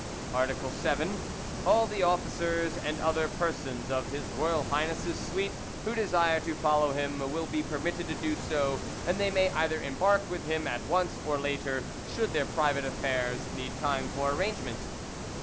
"Art. 7. All the officers and other persons of His Royal Highness' suite who desire to follow him will be permitted to do so, and they may either embark with him at once or later, should their private affairs need time for arrangement.